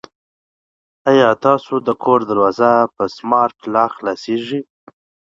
آیا ستاسو د کور دروازه په سمارټ لاک خلاصیږي؟